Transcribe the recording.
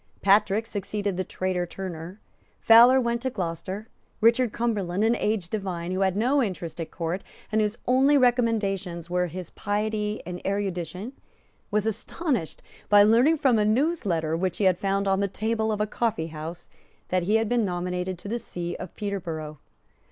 Patrick succeeded the traitor Turner. Fowler went to Gloucester. Richard Cumberland, an aged divine, who had no interest at Court, and whose only recommendations were his piety and erudition, was astonished by learning from a newsletter which he found on the table of a coffeehouse that he had been nominated to the See of Peterborough.